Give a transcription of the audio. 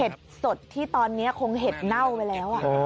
สดที่ตอนนี้คงเห็ดเน่าไปแล้ว